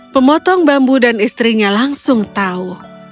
pemotong bambu dan istrinya langsung tahu